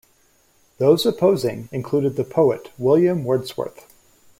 Those opposing included the poet William Wordsworth.